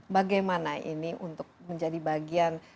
bagaimana ini untuk menjadi bagian